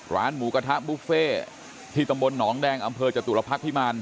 ร้านหมูกระทะบุฟเฟ่ที่ตำบลหนองแดงอำเภอจตุรพักษ์พิมาร